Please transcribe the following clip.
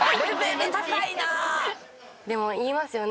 でも言いますよね